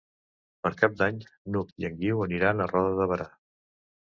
Per Cap d'Any n'Hug i en Guiu aniran a Roda de Berà.